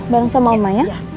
barang sama mama ya